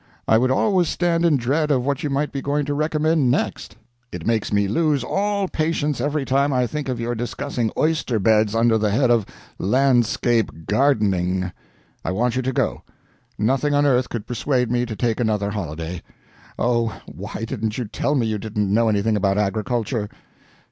I would always stand in dread of what you might be going to recommend next. It makes me lose all patience every time I think of your discussing oyster beds under the head of 'Landscape Gardening.' I want you to go. Nothing on earth could persuade me to take another holiday. Oh! why didn't you tell me you didn't know anything about agriculture?"